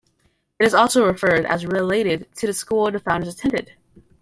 It is also referred as related to the school the founders attended.